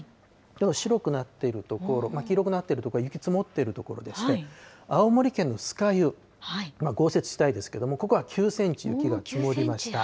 白くなっている所、黄色くなっている所は雪、積もっている所でして、青森県の酸ヶ湯、豪雪地帯ですけれども、ここは９センチ雪が９センチ？